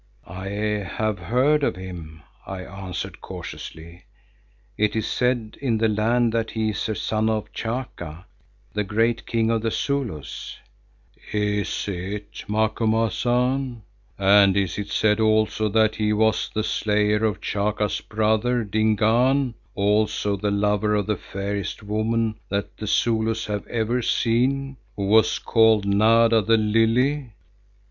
"I have heard of him," I answered cautiously. "It is said in the land that he is a son of Chaka, the great king of the Zulus." "Is it, Macumazahn? And is it said also that he was the slayer of Chaka's brother, Dingaan, also the lover of the fairest woman that the Zulus have ever seen, who was called Nada the Lily?